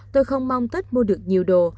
tôi không mong tết mua được nhiều đồ